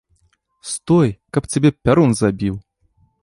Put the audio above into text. Стой, каб цябе пярун забіў!